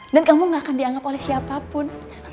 dan kamu gak akan dianggap oleh siapapun